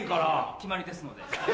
決まりですので。